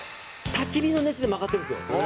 たき火の熱で曲がってるんですよ。